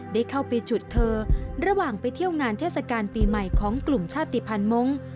ได้เข้าไปฉุดเธอระหว่างไปเที่ยวงานเทศกาลปีใหม่ของกลุ่มชาติภัณฑ์มงค์